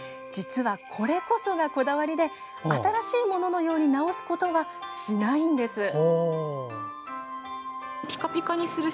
実はこれこそがこだわりで新しいもののように直すことはしないんです。